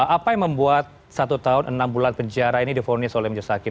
apa yang membuat satu tahun enam bulan penjara ini difonis oleh majelis hakim